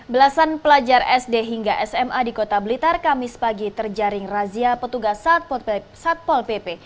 belasan pelajar sd hingga sma di kota blitar kamis pagi terjaring razia petugas satpol pp